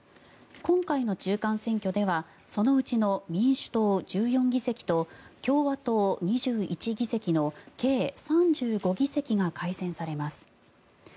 今回の中間選挙ではそのうちの民主党１４議席と共和党２１議席の計３５議席が改選されます。